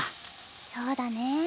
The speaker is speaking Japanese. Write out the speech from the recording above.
そうだね。